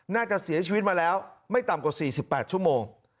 น่าจะเสียชีวิตมาแล้วไม่ต่ำกว่า๔๘ชั่วโมง